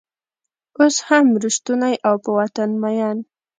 اوس هم رشتونی او په وطن مین